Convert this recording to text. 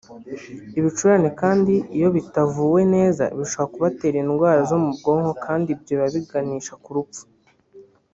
ibicurane kandi iyo bitavuwe neza bishobora no kubatera indwara zo mu bwonko kandi ibyo biba biganisha ku rupfu